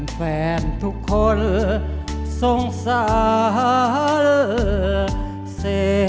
แฟนทุกคนสงสารเสร็จ